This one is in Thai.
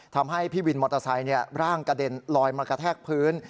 ทำให้พี่วินมอเตอร์ไซค์ร่างกระเด็นลอยมากระแทกพื้น